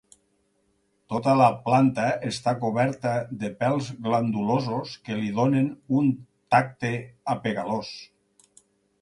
Tota la planta està coberta de pèls glandulosos que li donen un tacte apegalós.